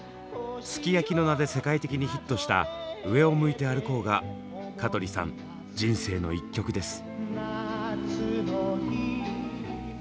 「ＳＵＫＩＹＡＫＩ」の名で世界的にヒットした「上を向いて歩こう」が香取さん人生の１曲です。